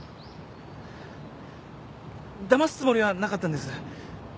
だますつもりはなかったんです。